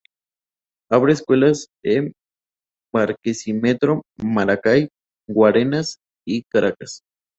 Abre escuelas en Barquisimeto, Maracay, Guarenas y Caracas.